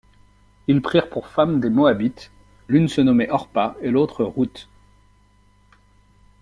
Ils prirent pour femmes des Moabites, l'une se nommait Orpa et l'autre Ruth.